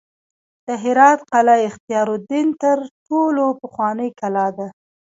د هرات قلعه اختیارالدین تر ټولو پخوانۍ کلا ده